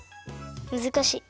むずかしい。